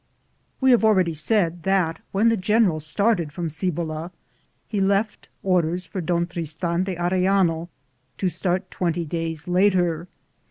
We nave already said that when the gen eral started from Cibola, he left orders for Don Tristan de Arellano to start twenty days later.